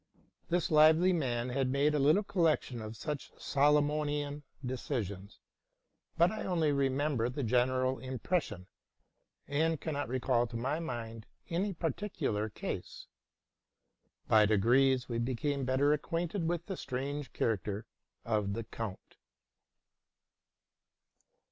This lively man had made a. little collection of such Solomonian decisions ; but I only remember the general impression, and cannot recall to my mind any particular case. By degrees we became better acquainted with the strange character of the count.